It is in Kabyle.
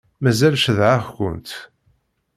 Mazal cedhaɣ-kent.